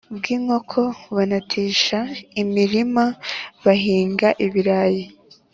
bw’inkoko banatisha imirima bahinga ibirayi.